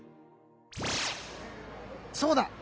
そうだ！